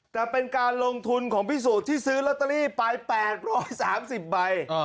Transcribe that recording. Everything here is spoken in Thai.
แต่เป็นการลงทุนของพี่สูตรที่ซื้อลอตเตอรี่ไป๘๓๐ใบ